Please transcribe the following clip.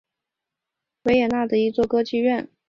维也纳人民剧院是奥地利维也纳的一座歌剧院。